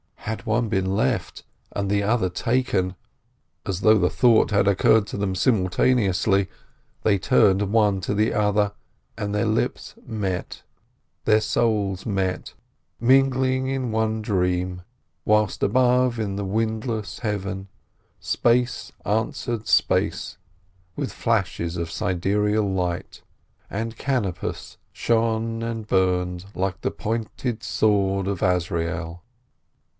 Had one been left and the other taken! As though the thought had occurred to them simultaneously, they turned one to the other, and their lips met, their souls met, mingling in one dream; whilst above in the windless heaven space answered space with flashes of siderial light, and Canopus shone and burned like the pointed sword of Azrael.